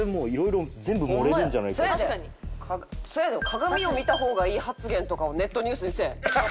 「鏡を見た方がいい」発言とかをネットニュースにせえ。